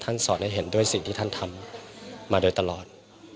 สอนให้เห็นด้วยสิ่งที่ท่านทำมาโดยตลอด